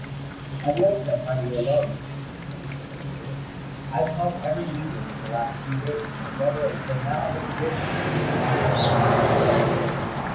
"At length I find you alone, Mr. Egerton," said the Major. "I have called every evening for the last few days, and have never until now been fortunate enough to learn that you were at home."